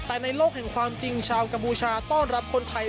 แต่ในโลกแห่งความจริงชาวกัมพูชาต้อนรับคนไทย